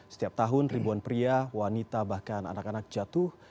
setiap tahun ribuan pria wanita bahkan anak anak jatuh